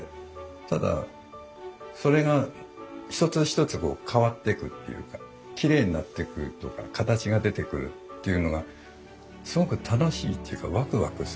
ただそれが一つ一つ変わってくっていうかきれいになってくとか形が出てくるっていうのがすごく楽しいっていうかワクワクするというか。